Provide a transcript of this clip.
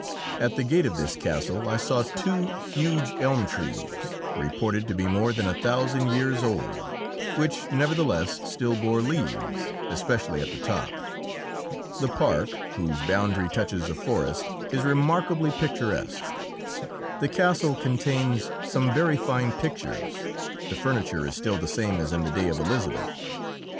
At the gate of this castle I saw two huge elm trees, reported to be more than 1,000 years old, which, nevertheless, still bore leaves, especially at the top. The park, whose boundary touches a forest, is remarkably picturesque. The castle contains some very fine pictures; the furniture is still the same as in the day of Elisabeth.